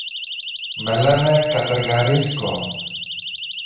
Με λένε Κατεργαρίσκο.